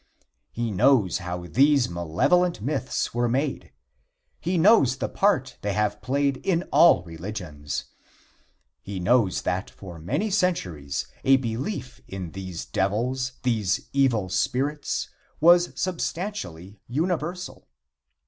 He knows how these malevolent myths were made. He knows the part they have played in all religions. He knows that for many centuries a belief in these devils, these evil spirits, was substantially universal.